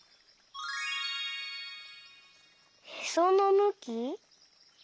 「へそのむき」？